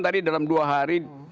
tadi dalam dua hari